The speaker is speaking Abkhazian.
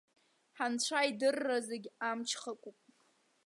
Ҳанцәа идырра зегьы амҽхакуп.